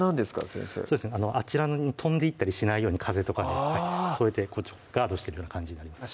先生あちらに飛んでいったりしないように風とかでそれでガードしてるような感じになります